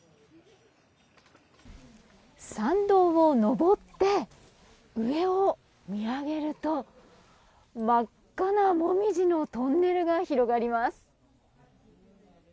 参道を上って上を見上げると真っ赤なモミジのトンネルが広がります。